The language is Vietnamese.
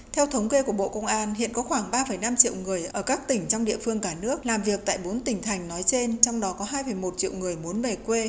theo thống kê của bộ công an hiện có khoảng ba năm triệu người ở các tỉnh trong địa phương cả nước làm việc tại bốn tỉnh thành nói trên trong đó có hai một triệu người muốn về quê